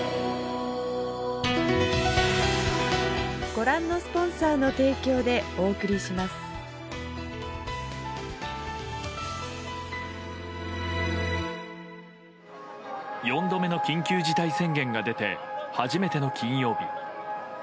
この番組は４度目の緊急事態宣言が出て初めての金曜日。